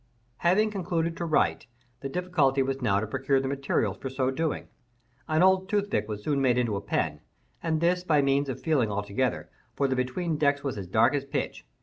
Having concluded to write, the difficulty was now to procure the materials for so doing. An old toothpick was soon made into a pen; and this by means of feeling altogether, for the between decks was as dark as pitch.